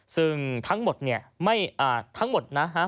ซึ่งทั้งหมดเนี่ยทั้งหมดนะฮะ